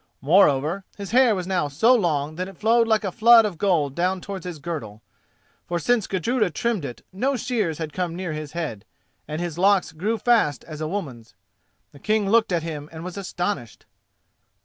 Moreover, his hair was now so long that it flowed like a flood of gold down towards his girdle, for since Gudruda trimmed it no shears had come near his head, and his locks grew fast as a woman's. The King looked at him and was astonished.